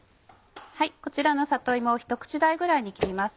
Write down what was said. こちらの里芋をひと口大ぐらいに切ります。